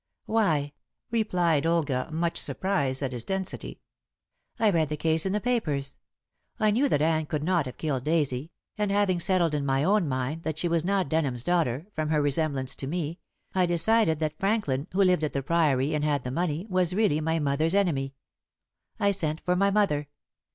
"Why," replied Olga, much surprised at his density, "I read the case in the papers. I knew that Anne could not have killed Daisy, and having settled in my own mind that she was not Denham's daughter, from her resemblance to me, I decided that Franklin, who lived at the Priory and had the money, was really my mother's enemy. I sent for my mother.